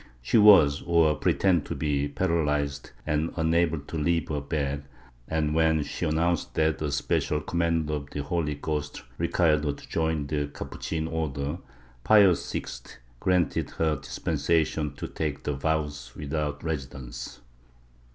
She was, or pre tended to be, paralyzed and unable to leave her bed and, when she announced that a special command of the Holy Ghost required her to join the Capuchin Order, Pius VI granted her a dispensation to take the vows without residence.